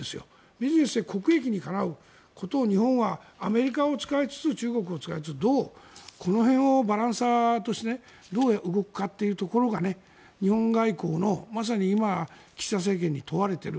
ビジネスでコピー機にかなうことを日本はアメリカを使いつつ中国を使いつつこの辺を、バランサーとしてどう動くかっていうところが日本外交のまさに今岸田政権に問われている。